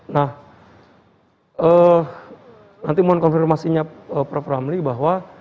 nah nanti mohon konfirmasinya prof ramli bahwa